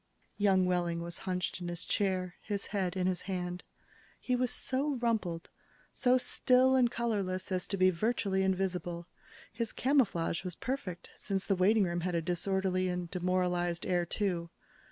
Young Wehling was hunched in his chair, his head in his hand. He was so rumpled, so still and colorless as to be virtually invisible. His camouflage was perfect, since the waiting room had a disorderly and demoralized air, too.